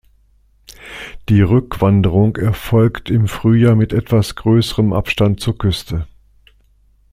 Die Rückwanderung erfolgt im Frühjahr mit etwas größerem Abstand zur Küste.